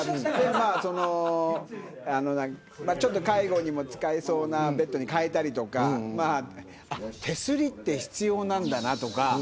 介護にも使えそうなベッドに変えたりとか手すりって必要なんだなとか。